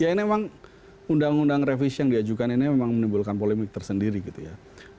ya ini memang undang undang revisi yang diajukan ini memang menimbulkan polemik tersendiri gitu ya